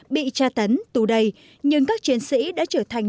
bị tra tấn tù đầy nhưng các chiến sĩ đã trở thành